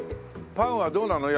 パンはどうなの？